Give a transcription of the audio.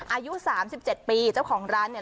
อายุ๓๗ปีเจ้าของร้านเนี่ย